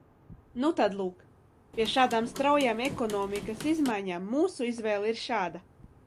Nu tad, lūk, pie šādām straujām ekonomikas izmaiņām mūsu izvēle ir šāda.